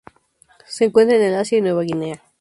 Se encuentra en el Asia y Nueva Guinea.